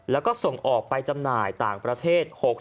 แล้วก็ส่งออกไปจำหน่ายต่างประเทศ